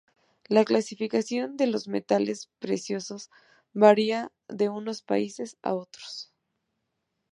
La clasificación de los metales preciosos varía de unos países a otros.